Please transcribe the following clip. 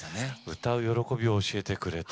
歌う喜びを教えてくれた。